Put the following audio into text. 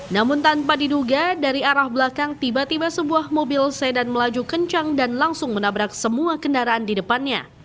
namun tanpa diduga dari arah belakang tiba tiba sebuah mobil sedan melaju kencang dan langsung menabrak semua kendaraan di depannya